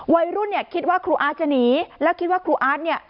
วัยรุ่นเนี่ยคิดว่าครูอาร์ตจะหนีแล้วคิดว่าครูอาร์ตเนี่ย